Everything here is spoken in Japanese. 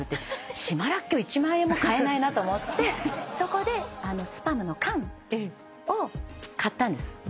島らっきょう１万円も買えないなと思ってそこでスパムの缶を買ったんです。